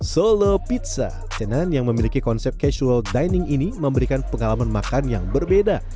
solo pizza tenan yang memiliki konsep casual dining ini memberikan pengalaman makan yang berbeda